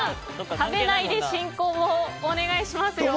食べないで進行をお願いしますよ。